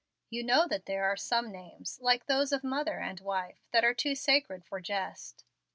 You know that there are some names like those of mother and wife that are too sacred for jest."